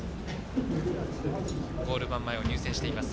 ゴール板前を入線しています。